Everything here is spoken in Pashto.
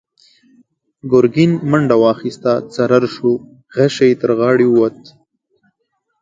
ګرګين منډه واخيسته، څررر شو، غشۍ يې تر غاړې ووت.